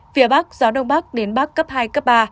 phía bắc gió đông bắc đến bắc cấp hai cấp ba